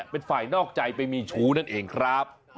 เป็นฝ่ายนอกใจไปมีชู้นั่นเองครับ